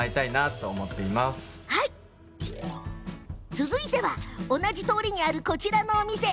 続いては、同じ通りにあるこちらのお店。